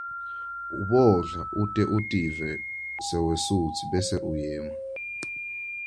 Ubodla ute utive sewesutsi bese uyema.